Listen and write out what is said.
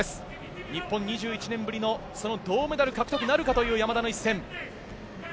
日本、２１年ぶりの銅メダル獲得なるかという山田の一戦。